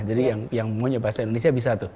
jadi yang mau nyobain bahasa indonesia bisa tuh